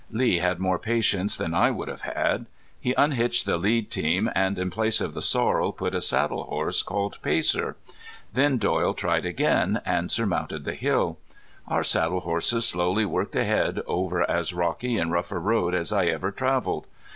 Lee had more patience than I would have had. He unhitched the lead team and in place of the sorrel put a saddle horse called Pacer. Then Doyle tried again and surmounted the hill. Our saddle horses slowly worked ahead over as rocky and rough a road as I ever traveled.